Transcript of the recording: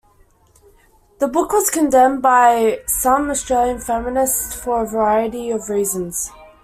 The book was condemned by some Australian feminists for a variety of reasons.